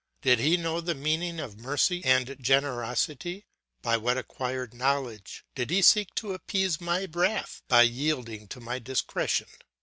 Did he know the meaning of mercy and generosity? By what acquired knowledge did he seek to appease my wrath by yielding to my discretion?